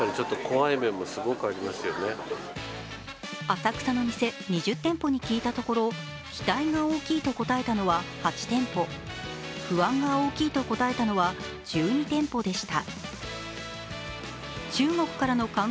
浅草の店２０店舗に聞いたところ期待が大きいと答えたのは８店舗、不安が大きいと答えたのは１２店舗でした。